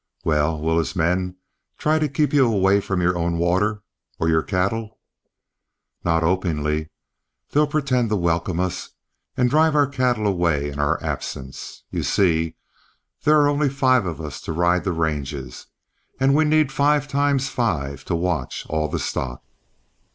"Well, will his men try to keep you away from your own water, or your cattle?" "Not openly. They'll pretend to welcome us, and drive our cattle away in our absence. You see there are only five of us to ride the ranges, and we'd need five times five to watch all the stock."